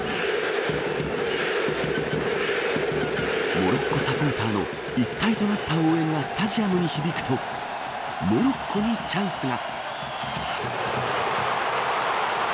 モロッコサポーターの一体となった応援がスタジアムに響くとモロッコにチャンスが。